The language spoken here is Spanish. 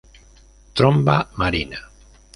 Tromba marina